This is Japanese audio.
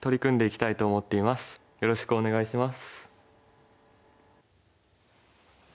よろしくお願いします。